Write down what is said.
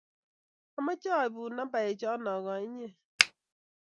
amacha abuun nambochu ago inyee